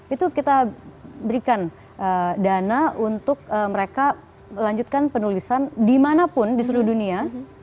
itu kita berikan dana untuk mereka melanjutkan penulisan di mana pun di seluruh dunia